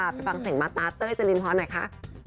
ไปฟังเสียงมาตาเต้ยจรินพรหน่อยค่ะ